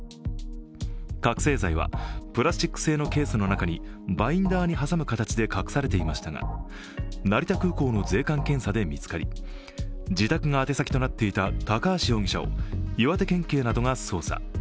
覚醒剤はプラスチック製のケースの中にバインダーに挟む形で隠されていましたが、成田空港の税関検査で見つかり、自宅が宛先となっていた高橋容疑者を岩手県警などが捜査。